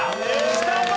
きたぞ！